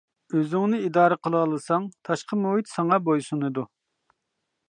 ئۆزۈڭنى ئىدارە قىلالىساڭ، تاشقى مۇھىت ساڭا بويسۇنىدۇ.